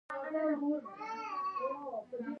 نن سبا سیاسي علومو مطرح کېږي.